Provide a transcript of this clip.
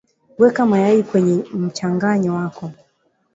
weka mayai kwenye mchanganyi wako